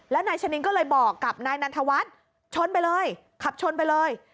แล้วนายชะนินก็เลยบอกกับนายนันทวัฒน์ชนไปเลยขับชนไปเลย